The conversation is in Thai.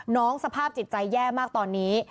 สภาพจิตใจแย่มากตอนนี้